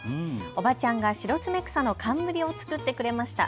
おばちゃんがシロツメクサの冠を作ってくれました。